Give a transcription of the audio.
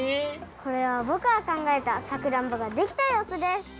これはぼくがかんがえたさくらんぼができたようすです。